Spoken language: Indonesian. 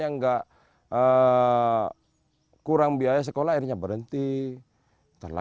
menguntungkan rp lima ratus miliar dan rp seamlessly enak untuk pembawa masyarakat